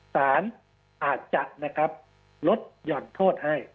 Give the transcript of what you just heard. ศาลอาจจะนะครับลดหย่อนโทษให้